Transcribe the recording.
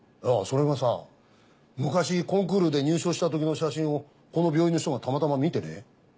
それがさ昔コンクールで入賞したときの写真をこの病院の人がたまたま見てね。